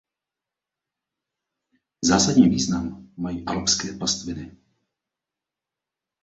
Zásadní význam mají alpské pastviny.